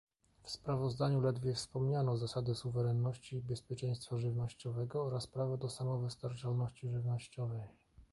W sprawozdaniu ledwie wspomniano zasady suwerenności i bezpieczeństwa żywnościowego oraz prawo do samowystarczalności żywnościowej